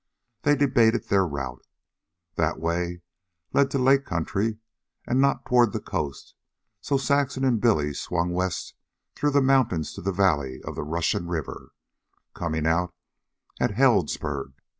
They debated their route. That way led to Lake County and not toward the coast, so Saxon and Billy swung west through the mountains to the valley of the Russian River, coming out at Healdsburg.